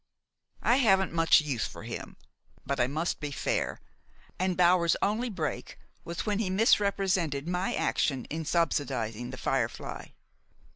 I haven't much use for him; but I must be fair, and Bower's only break was when he misrepresented my action in subsidizing 'The Firefly.'